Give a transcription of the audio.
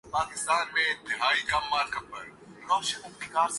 مو لانا مودودی کے خلاف اٹھائی گی۔